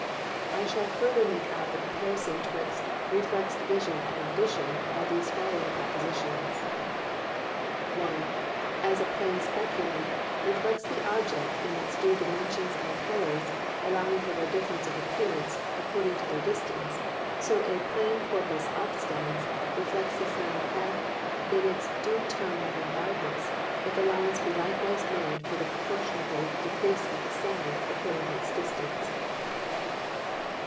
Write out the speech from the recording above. I shall further make out the comparison 'twixt Reflex'd Vision and Audition, by these following Propositions. 1. As a Plain Speculum reflects the Object in its due Dimensions and Colours; allowing for their difference of appearance, according to their distance: So a Plane Corpus Obstans reflects the Sound back in its due Tone and Loudness; if allowance be likewise made for the proportionable decrease of the Sound, according to its distance.